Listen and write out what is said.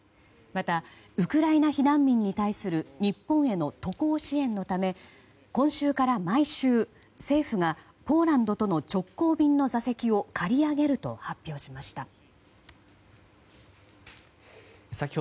また、ウクライナ避難民に対する日本への渡航支援のため今週から毎週政府がポーランドとの直行便の座席を借り上げると発表しました。